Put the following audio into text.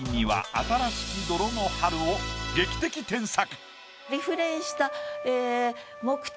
あたらしき泥の春」を劇的添削。